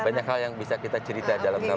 itu banyak hal yang bisa kita cerita dalam kapal